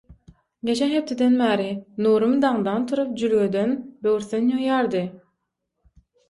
Geçen hepdeden bäri Nurum daňdan turup jülgeden böwürslen ýygýardy.